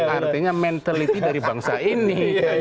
artinya mentality dari bangsa ini